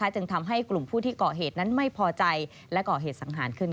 จึงทำให้กลุ่มผู้ที่เกาะเหตุนั้นไม่พอใจและก่อเหตุสังหารขึ้น